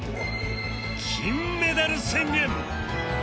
金メダル宣言！